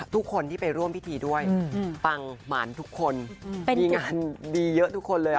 ทุกคนที่ไปร่วมพิธีด้วยปังหมานทุกคนมีงานดีเยอะทุกคนเลย